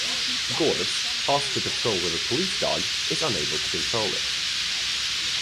Gorse, tasked to patrol with a police dog, is unable to control it.